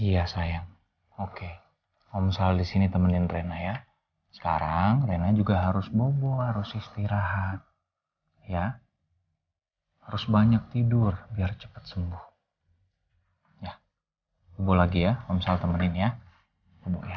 hai iya sayang oke om sal disini temenin rena ya sekarang rena juga harus bobo harus istirahat ya harus banyak tidur biar cepet sembuh ya bubuk lagi ya om sal temenin ya ya